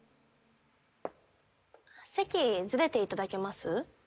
席ズレていただけます？